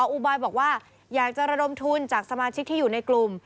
อุบายบอกว่าอยากจะระดมทุนจากสมาชิกที่อยู่ในกลุ่ม